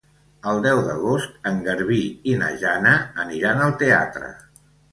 El deu d'agost en Garbí i na Jana aniran al teatre.